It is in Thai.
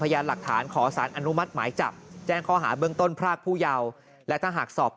ยานหลักฐานขอสารอนุมัติหมายจับแจ้งข้อหาเบื้องต้นพรากผู้เยาว์และถ้าหากสอบ